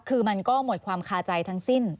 คือมันก็หมดความคาใจทั้งสิ้น